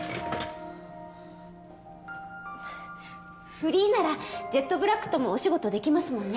フリーならジェットブラックともお仕事できますもんね